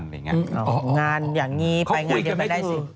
งานอย่างนี้ไปงานเดียวกันได้สิ